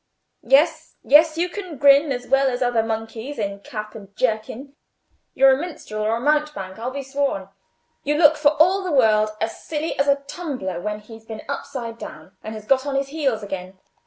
"Yes, yes, you can grin as well as other monkeys in cap and jerkin. You're a minstrel or a mountebank, I'll be sworn; you look for all the world as silly as a tumbler when he's been upside down and has got on his heels again.